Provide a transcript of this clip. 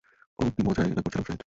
ওহ, কি মজাই না করছিলাম ফ্রেড!